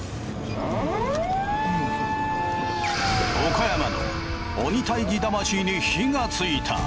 岡山の鬼退治魂に火がついた。